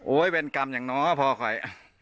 โอ้ยเป็นกรรมอย่างน้อยพอไข่